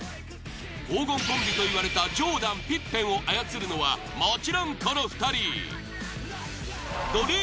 黄金コンビといわれたジョーダンピッペンを操るのはもちろんこの２人。